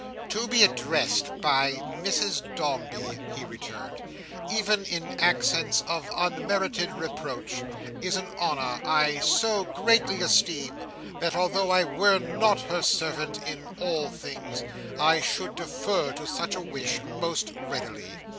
"To be addressed by Mrs Dombey," he returned, "even in accents of unmerited reproach, is an honour I so greatly esteem, that although I were not her servant in all things, I should defer to such a wish, most readily."